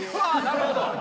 なるほど。